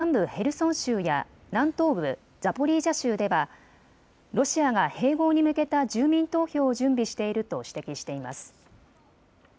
またウクライナ側は南部ヘルソン州や南東部ザポリージャ州ではロシアが併合に向けた住民投票を準備していると指摘しています。